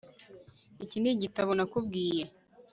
Iki nigitabo nakubwiye